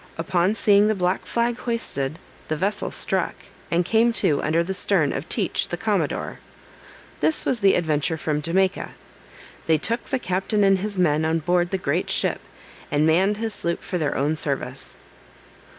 Upon seeing the black flag hoisted, the vessel struck, and came to under the stern of Teach the commodore. This was the Adventure from Jamaica. They took the captain and his men on board the great ship, and manned his sloop for their own service.